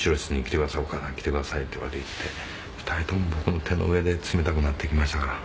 お母さん来てください”って言われて行って２人とも僕の手の上で冷たくなっていきましたから」